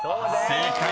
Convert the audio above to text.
［正解。